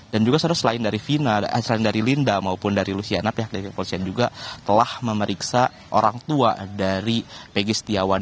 dan juga selain dari vina eh selain dari linda maupun dari lusiana pihak dari kepolisian juga telah memeriksa orang tua dari pg setiawan